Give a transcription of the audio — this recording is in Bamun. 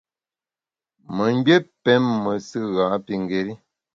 Memgbié pém mesù ghapingéri.